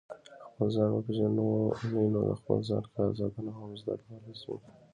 خپل ځان وپېژنئ نو د خپل ځان خیال ساتنه هم زده کولای شئ.